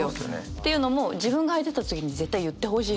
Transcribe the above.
っていうのも自分が開いてた時に絶対言ってほしいので。